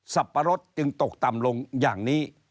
ปะรดจึงตกต่ำลงอย่างนี้